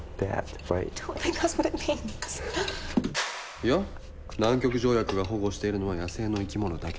いや、南極条約が保護しているのは野生の生き物だけ。